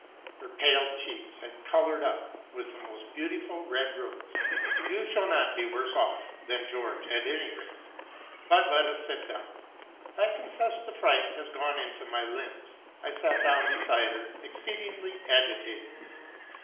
'' Her pale cheeks had colored up with the most beautiful rose red. '* You shall not be worse off than George, at any rate! But let us sit down. I confess the fright has gone into my limbs.' I sat down beside her, ex ceedingly agitated.